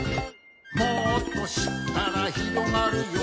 「もっとしったらひろがるよ」